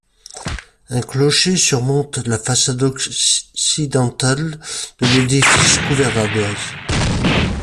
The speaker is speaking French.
Un clocher surmonte la façade occidentale de l'édifice couvert d'ardoise.